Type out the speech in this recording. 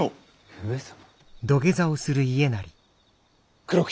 上様！